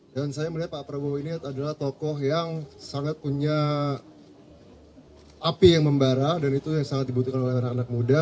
dan saya melihat pak prabowo ini adalah tokoh yang sangat punya api yang membara dan itu yang sangat dibutuhkan oleh anak anak muda